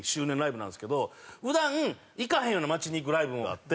普段行かへんような街に行くライブもあって。